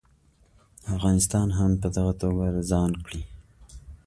افغانستان هم په دغه توګه د ځان کړي.